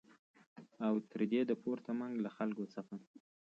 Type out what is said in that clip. او تر دې د پورته منګ له خلکو څخه